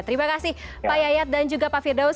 terima kasih pak yayat dan juga pak firdaus